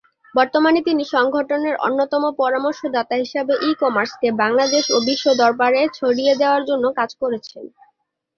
বর্তমানে তিনি সংগঠনের অন্যতম পরামর্শদাতা হিসেবে 'ই-কমার্স'কে বাংলাদেশ ও বিশ্ব দরবারে ছড়িয়ে দেয়ার জন্য কাজ করছেন।